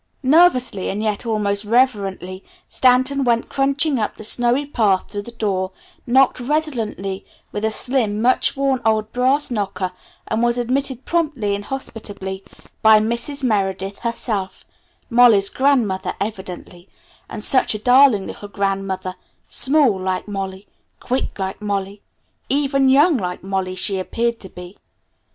Nervously, and yet almost reverently, Stanton went crunching up the snowy path to the door, knocked resonantly with a slim, much worn old brass knocker, and was admitted promptly and hospitably by "Mrs. Meredith" herself Molly's grandmother evidently, and such a darling little grandmother, small, like Molly; quick, like Molly; even young, like Molly, she appeared to be.